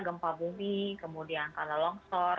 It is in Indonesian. gempa bumi kemudian tanah longsor